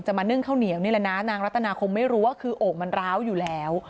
มานึ่งข้าวเหนียวนี่แหละนะนางรัตนาคงไม่รู้ว่าคือโอ่งมันร้าวอยู่แล้ว